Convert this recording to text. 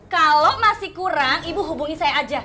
kalau masih kurang ibu hubungi saya aja